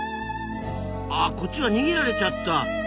あこっちは逃げられちゃった。